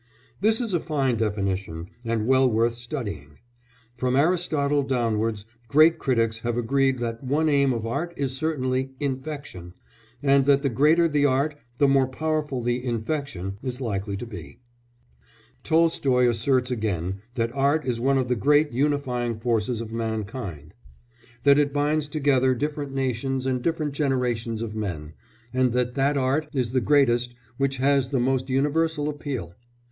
This is a fine definition, and well worth studying. From Aristotle downwards great critics have agreed that one aim of art is certainly "infection," and that the greater the art the more powerful the "infection" is likely to be. Tolstoy asserts again that art is one of the great unifying forces of mankind, that it binds together different nations and different generations of men, and that that art is the greatest which has the most universal appeal.